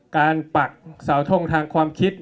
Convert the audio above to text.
ปักเสาทงทางความคิด